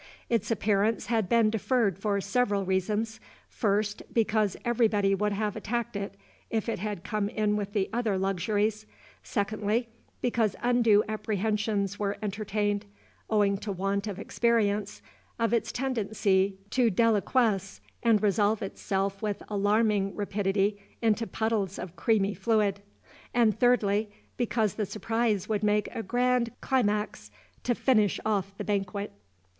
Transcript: Its appearance had been deferred for several reasons: first, because everybody would have attacked it, if it had come in with the other luxuries; secondly, because undue apprehensions were entertained (owing to want of experience) of its tendency to deliquesce and resolve itself with alarming rapidity into puddles of creamy fluid; and, thirdly, because the surprise would make a grand climax to finish off the banquet.